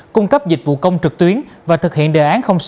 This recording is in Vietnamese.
cung cấp dịch vụ công trực tuyến và thực hiện đề án sáu